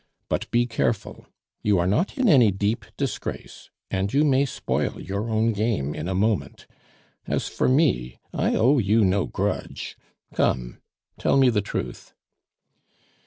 But be careful! You are not in any deep disgrace, and you may spoil your own game in a moment. As for me I owe you no grudge. Come; tell me the truth."